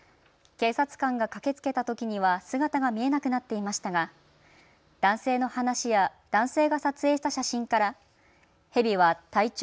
警察官が駆けつけたときには姿が見えなくなっていましたが男性の話や男性が撮影した写真からヘビは体長